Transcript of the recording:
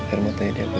air matanya dihapus